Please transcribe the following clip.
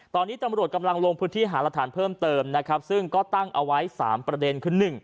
ตอนนี้ตำรวจกำลังลงพื้นที่หารักฐานเพิ่มเติมนะครับซึ่งก็ตั้งเอาไว้๓ประเด็นคือ